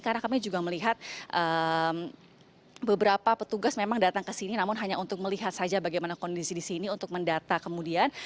karena kami juga melihat beberapa petugas memang datang ke sini namun hanya untuk melihat saja bagaimana kondisi di sini untuk mendata kemudian